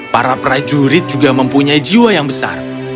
para prajurit juga mempunyai jiwa yang besar